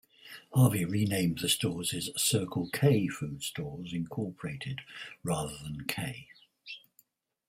Hervey renamed the stores as "Circle K Food Stores, Incorporated" rather than "Kay".